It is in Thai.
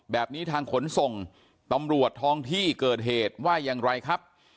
แบบนี้ทางขนส่งตำรวจท้องที่เกิดเหตุว่าอย่างไรครับ